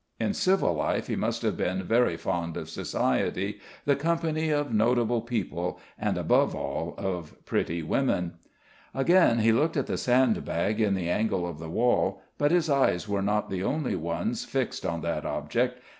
In civil life he must have been very fond of society, the company of notable people, and above all of pretty women. Again he looked at the sandbag in the angle of the wall, but his eyes were not the only ones fixed on that object.